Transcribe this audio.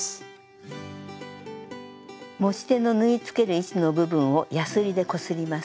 持ち手の縫いつける位置の部分をやすりでこすります。